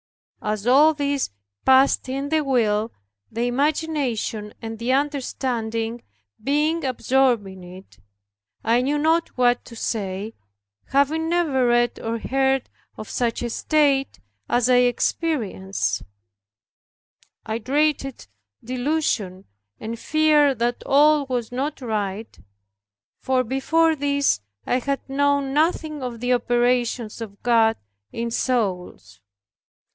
As all this passed in the will, the imagination and the understanding being absorbed in it, I knew not what to say, having never read or heard of such a state as I experienced. I dreaded delusion and feared that all was not right, for before this I had known nothing of the operations of God in souls.